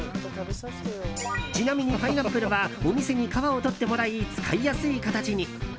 ちなみにパイナップルはお店に皮をとってもらい使いやすい形に。